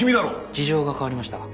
事情が変わりました。